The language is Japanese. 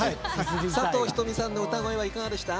佐藤仁美さんの歌声はいかがでした？